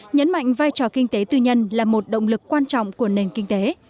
nhấn mạnh vai trò kinh tế tư nhân là một động lực quan trọng của nền kinh tế